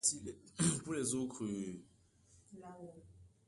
È ɱwèní à jèlí.